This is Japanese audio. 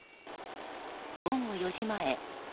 午後４時前。